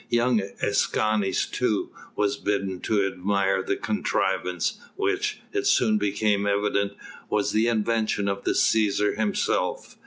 Young Escanes too was bidden to admire the contrivance, which it soon became evident was the invention of the Cæsar himself.